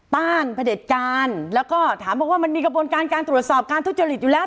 ต้านพระเด็จการแล้วก็ถามบอกว่ามันมีกระบวนการการตรวจสอบการทุจริตอยู่แล้ว